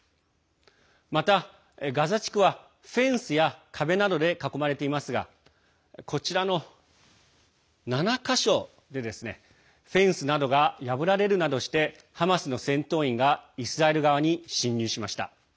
また、ガザ地区は、フェンスや壁などで囲まれていますがこちらの７か所でフェンスなどが破られるなどしてハマスの戦闘員がイスラエル側に侵入しました。